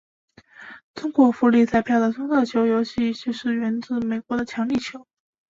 中国福利彩票的双色球游戏就是源自美国的强力球。